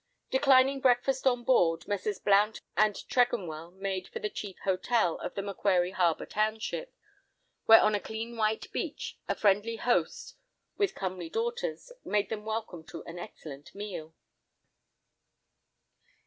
Declining breakfast on board, Messrs. Blount and Tregonwell made for the chief "hotel" of the Macquarie Harbour township, where on a clean white beach, a friendly host, with comely daughters, made them welcome to an excellent meal.